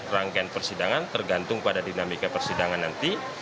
rangkaian persidangan tergantung pada dinamika persidangan nanti